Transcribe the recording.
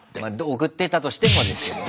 送ってたとしてもです。ハハハ。